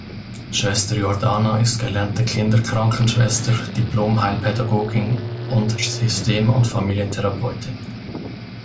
Schwester Jordana ist gelernte Kinderkrankenschwester, Diplom-Heilpädagogin und System- und Familientherapeutin.